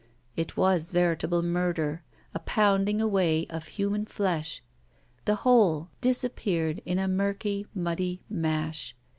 It was veritable murder, a pounding away of human flesh; the whole disappeared in a murky, muddy mash.